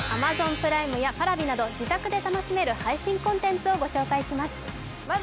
プライムやＰａｒａｖｉなど自宅で楽しめる配信コンテンツをご紹介します。